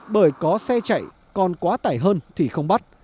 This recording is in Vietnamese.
bởi có xe chạy còn quá tải hơn thì không bắt